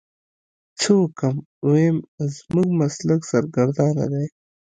څه وکو ويم زموږ مسلک سرګردانه دی.